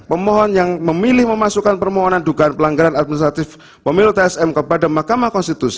pemohon yang memilih memasukkan permohonan dugaan pelanggaran administratif pemilu tsm kepada mahkamah konstitusi